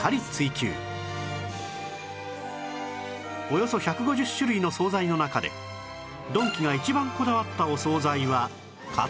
およそ１５０種類の惣菜の中でドンキが一番こだわったお惣菜はかつ丼